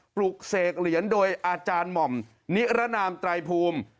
ปลุกเสกเหรียญโดยอาจารย์หม่อมนิรนามไตรภูมิ